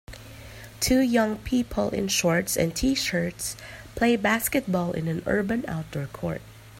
Two young people in shorts and tshirts play basketball in an urban outdoor court.